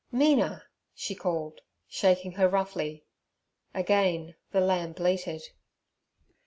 'Mina!' she called, shaking her roughly. Again the lamb bleated.